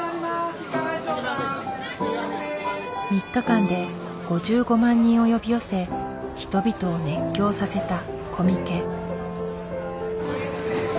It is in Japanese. ３日間で５５万人を呼び寄せ人々を熱狂させたコミケ。